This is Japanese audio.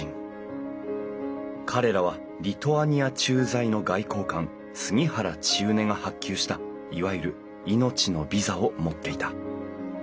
彼らはリトアニア駐在の外交官杉原千畝が発給したいわゆる「命のビザ」を持っていた。